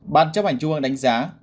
ban chấp hành trung ương đánh giá